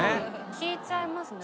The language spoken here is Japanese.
聴いちゃいますね。